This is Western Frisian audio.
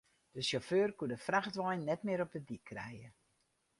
De sjauffeur koe de frachtwein net mear op de dyk krije.